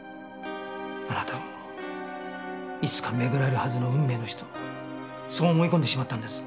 あなたをいつか巡り合えるはずの運命の人そう思い込んでしまったんです。